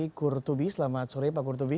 pak kurtubi selamat sore pak kurtubi